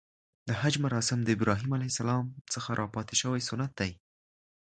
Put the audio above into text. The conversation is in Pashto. د حج مراسم د ابراهیم ع څخه راپاتې شوی سنت دی .